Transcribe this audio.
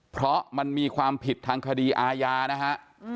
เพราะมันมีความผิดทางคดีอาญานะฮะ